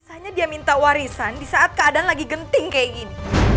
akhirnya dia minta warisan di saat keadaan lagi genting kayak gini